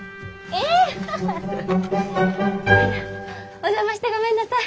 お邪魔してごめんなさい。